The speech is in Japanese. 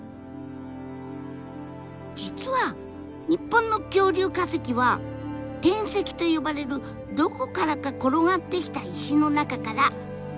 実は日本の恐竜化石は転石と呼ばれるどこからか転がってきた石の中から見つかることがほとんど。